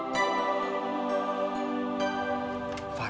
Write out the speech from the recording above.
ibu yang sabar